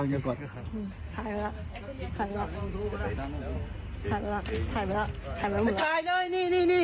โอเคโปรโหล